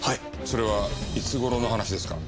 それはいつ頃の話ですか？